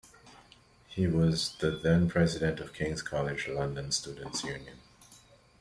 He was the then President of King's College London Students' Union.